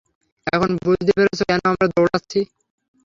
এখন বুঝতে পেরেছ কেন আমরা দৌড়াচ্ছি?